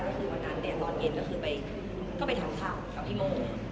คือวันนั้นเนี่ยตอนเย็นก็ไปถังข้าวกับพี่โม